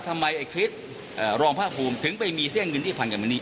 ทำไมคริสรองภาคภูมิถึงไปมีเส้นเงินที่พันกับเงินนี้